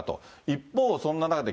一方、そんな中で、